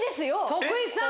徳井さん。